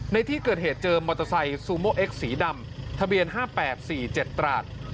ในที่เกิดเหตุเจอมอเตอร์ไซค์ซูโมเอ็กซสีดำทะเบียน๕๘๔๗ตราด